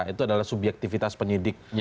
itu adalah subyektivitas penyidik